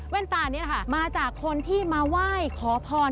ตานี้นะคะมาจากคนที่มาไหว้ขอพร